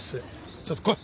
ちょっと来い！